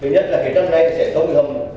thứ nhất là năm nay sẽ sống hay không